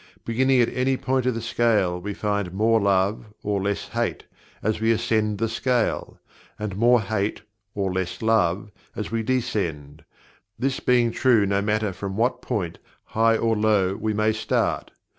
Beginning at any point of the scale we find "more love," or "less hate," as we ascend the scale; and "more hate" or "less love" as we descend this being true no matter from what point, high or low, we may start.